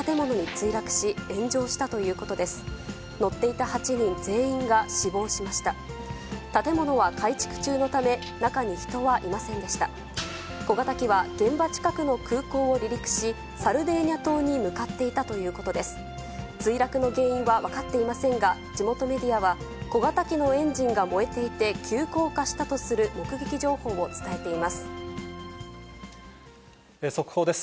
墜落の原因は分かっていませんが、地元メディアは、小型機のエンジンが燃えていて、急降下したとす速報です。